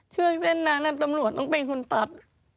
เชือกเส้นนั้นตำรวจต้องเป็นคนตัด